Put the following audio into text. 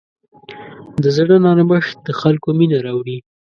د زړه نرمښت د خلکو مینه راوړي.